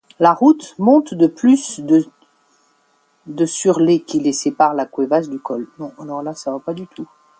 La route monte de plus de sur les qui séparent Las Cuevas du col.